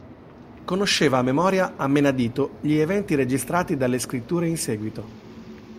Conosceva a memoria a menadito gli eventi registrati dalle scritture in seguito.